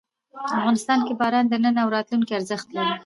افغانستان کې باران د نن او راتلونکي ارزښت لري.